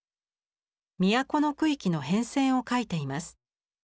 都の区域の変遷を描いています。